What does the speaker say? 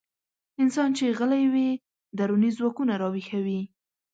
انسان چې غلی وي، دروني ځواکونه راويښوي.